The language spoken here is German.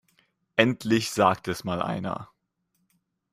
Endlich sagt es mal einer!